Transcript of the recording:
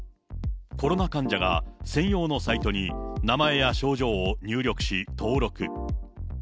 コロナ患者が専用のサイトに、名前や症状を入力し、登録。